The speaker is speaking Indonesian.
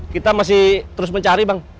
kita masih terus mencari bang